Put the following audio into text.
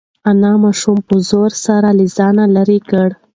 انا ماشوم په زور سره له ځانه لرې کړ.